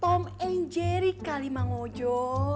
tom and jerry kali mang ojo